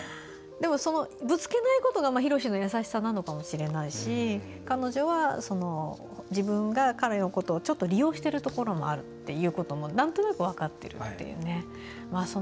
でも、ぶつけないことが広志の優しさなのかもしれないし彼女は自分が彼のことをちょっと利用しているところもあるっていうこともなんとなく分かっているという。